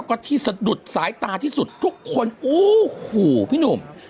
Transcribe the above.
ก็ที่สะดุดสายตาที่สุดทุกคนโอ้โหพี่หนุ่ม